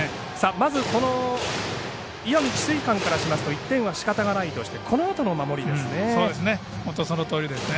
まず石見智翠館からしますと１点はしかたないとしてこのあとの守りですね。